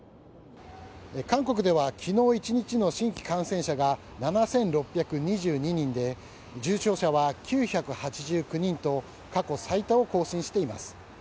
韓国では昨日一日の新規感染者が７６２２人で重症者は９８９人と過去最多を更新しています。